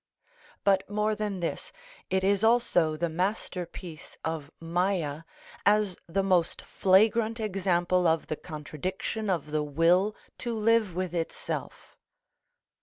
But, more than this, it is also the masterpiece of Mâyâ, as the most flagrant example of the contradiction of the will to live with itself.